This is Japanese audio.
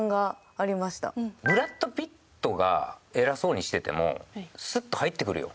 ブラッド・ピットが偉そうにしててもスッと入ってくるよ。